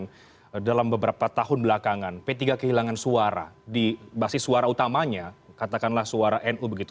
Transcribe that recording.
kemudian dalam beberapa tahun belakangan p tiga kehilangan suara di basis suara utamanya katakanlah suara nu begitu